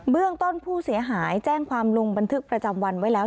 ต้นผู้เสียหายแจ้งความลงบันทึกประจำวันไว้แล้ว